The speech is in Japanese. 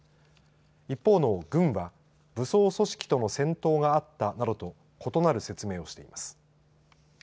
一方の軍は武装組織との戦闘があったなどと異なる説明をしています。